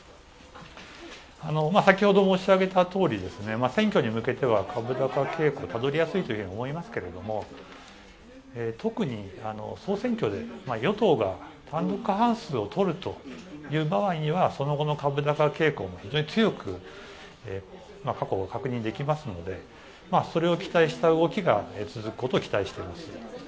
先ほど申し上げたとおり選挙に向けては株高傾向たどりやすいと思いますけれども特に総選挙で与党が単独過半数を取るという場合にはその後の株高傾向も非常に強く確認できますのでそれを期待した動きが続くことを期待しています。